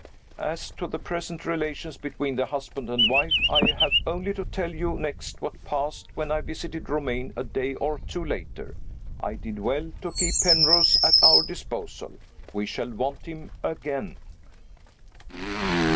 As to the present relations between the husband and wife, I have only to tell you next what passed, when I visited Romayne a day or two later. I did well to keep Penrose at our disposal. We shall want him again.